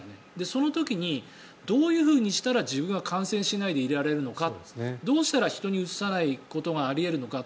その時にどういうふうにしたら自分は感染しないでいられるのかどうしたら人にうつさないことがあり得るのか。